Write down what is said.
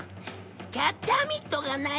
キャッチャーミットがない。